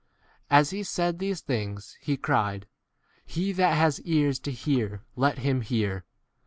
As he said these things he cried, He that has ears 9 to hear, let him hear.